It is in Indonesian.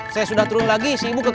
saya sudah turun lagi si ibu ke delapan